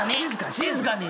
静かに。